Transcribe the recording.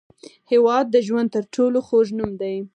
هېواد د ژوند تر ټولو خوږ نوم دی.